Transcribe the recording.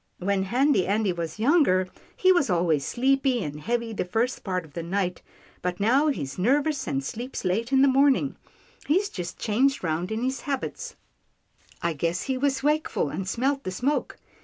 When Handy Andy was younger, he was always sleepy and heavy the first part of the night, but now he's nervous and sleeps late in the morning — he's just changed round in his habits — I guess he was wakeful, and smelt the smoke.